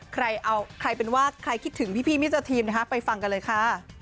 ใครเอาใครเป็นว่าใครคิดถึงพี่มิสเตอร์ทีมนะคะไปฟังกันเลยค่ะ